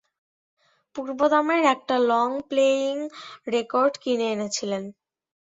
পূর্ব দামের একটা long playing record কিনে এনেছিলেন।